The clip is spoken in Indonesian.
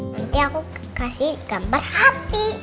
nanti aku kasih gambar hati